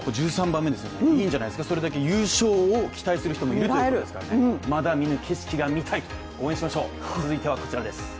１３番目ですよね、いいんじゃないですかそれだけ郵相を期待するということですからねまだ見ぬ景色が見たいと、応援しましょう。